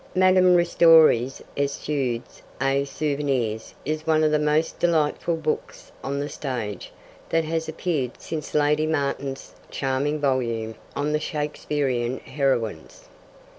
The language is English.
Madame Ristori's Etudes et Souvenirs is one of the most delightful books on the stage that has appeared since Lady Martin's charming volume on the Shakespearian heroines.